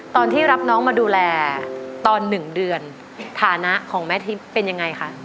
ตอนที่รับน้องมาดูแลตอน๑เดือนฐานะของแม่ทิพย์เป็นยังไงคะ